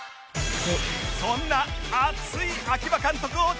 そんな熱い秋葉監督を直撃！